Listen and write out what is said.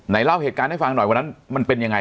เล่าเหตุการณ์ให้ฟังหน่อยวันนั้นมันเป็นยังไง